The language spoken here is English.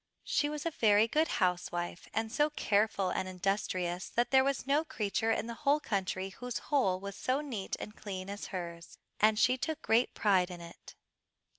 She was a very good housewife, and so careful and industrious that there was no creature in the whole country whose hole was so neat and clean as hers, and she took great pride in it.